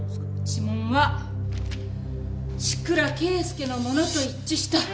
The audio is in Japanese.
指紋は志倉啓介のものと一致した。